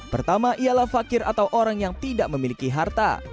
pertama ialah fakir atau orang yang tidak memiliki harta